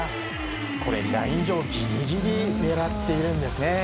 これ、ライン上ギリギリを狙っているんですね。